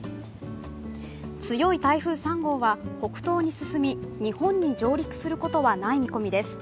強い台風３号は北東に進み、日本に上陸することはない見込みです。